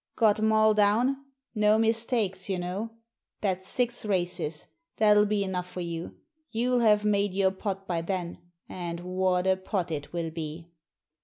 " Got 'em all down ? No mistakes, you know. That's six races — ^that'll be enough for you; youll have made your pot by then — and what a pot it will be!"